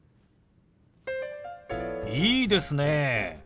いいですね。